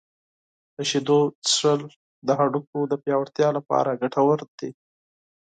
• د شیدو څښل د هډوکو د پیاوړتیا لپاره ګټور دي.